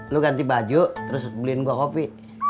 lu ganti baju terus beliin gue kopi